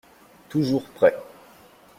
Toujours prêt